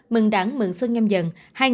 mừng đảng mừng xuân nhâm dận hai nghìn hai mươi hai